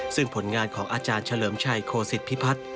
ซึ่งผลงานของอาจารย์เฉลิมชัยโคศิษฐพิพัฒน์